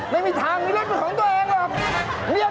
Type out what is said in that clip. ไม่มีทางมีรถเป็นของตัวเองหรอก